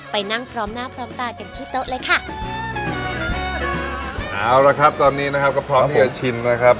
ไปนั่งพร้อมหน้าพร้อมตากันที่โต๊ะเลยค่ะเอาละครับตอนนี้นะครับก็พร้อมเสียชินนะครับ